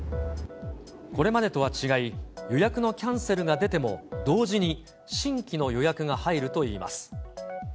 これまでとは違い、予約のキャンセルが出ても、同時に新規の予約が入るといいます。